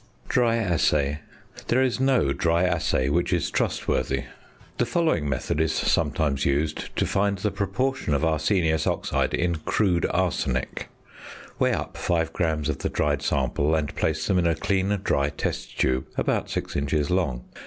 ~Dry Assay.~ There is no dry assay which is trustworthy. The following method is sometimes used to find the proportion of arsenious oxide in "crude arsenic": Weigh up 5 grams of the dried sample, and place them in a clean dry test tube about 6 inches long.